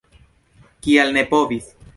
Kial ne povis?